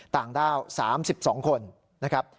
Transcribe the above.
ต่างด้าว๓๒คนนะครับ